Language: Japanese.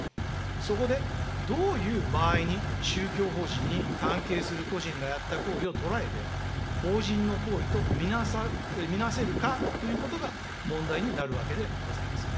そこでどういう場合に宗教法人に関係する個人がやった行為を捉えて、法人の行為と見なせるかということが問題になるわけでございます。